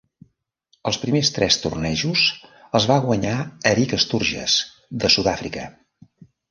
Els primers tres tornejos els va guanyar Eric Sturgess de Sud-Àfrica.